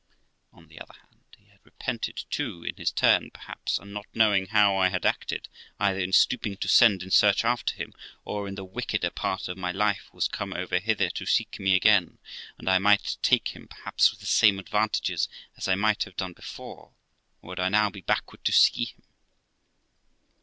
On the other hand, he had repented too, in his turn, perhaps, and, not knowing how I had acted, either in stooping to send in search after him or in the wickeder part of my life, was come over hither to seek me again; and I might take him, perhaps, with the same advantages as I might have done before, and would I now be backward to see him?